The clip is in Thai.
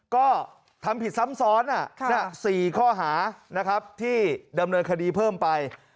ก็ทำผิดซ้ำซ้อน๔ข้อหานะครับที่ดำเนินคดีเพิ่มไป